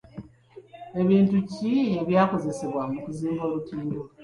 Bintu ki ebyakozesebwa okuzimba olutindo?